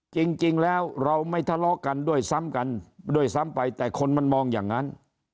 จริงแล้วเราไม่ทะเลาะกันด้วยซ้ำไปแต่คนมันมองอย่างนั้น